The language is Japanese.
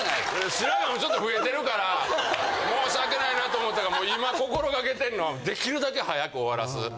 白髪もちょっと増えてるから申し訳ないなと思ったからもう今心がけてんのはできるだけ早く終わらす。